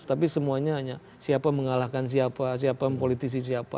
tapi semuanya hanya siapa mengalahkan siapa siapa politisi siapa